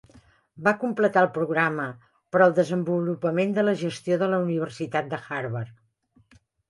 Va completar el programa per al desenvolupament de la gestió a la Universitat Harvard.